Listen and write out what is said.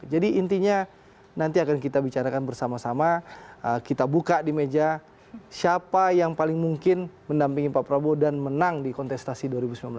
jadi intinya nanti akan kita bicarakan bersama sama kita buka di meja siapa yang paling mungkin mendampingi pak prabowo dan menang di kontestasi dua ribu sembilan belas ini